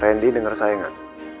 randy dengar sayangan